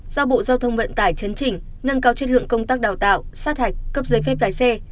giao bộ giao thông vận tải chấn chỉnh nâng cao chất lượng công tác đào tạo sát hạch cấp giấy phép lái xe